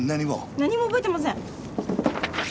何も覚えてません。